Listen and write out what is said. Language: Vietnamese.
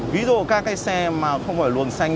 ví dụ các cái xe mà không phải luồng xanh